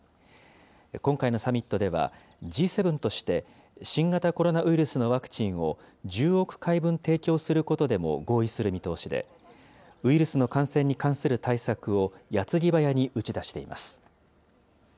今回のサミットでは、Ｇ７として、新型コロナウイルスのワクチンを１０億回分提供することでも合意する見通しで、ウイルスの感染に関する対策を、やつぎばやに打ち出しています。